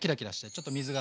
ちょっと水が。